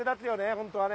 本当はね。